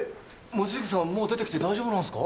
望月さんもう出てきて大丈夫なんすか？